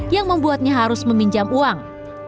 yang membuatnya harus meminjam uang